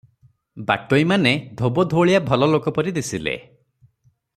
ବାଟୋଇମାନେ ଧୋବଧାବଳିଆ ଭଲଲୋକ ପରି ଦିଶିଲେ ।